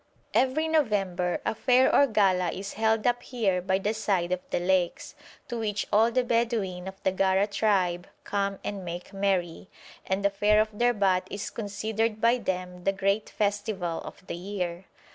Every November a fair or gala is held up here by the side of the lakes, to which all the Bedouin of the Gara tribe come and make merry, and the fair of Derbat is considered by them the great festival of the year.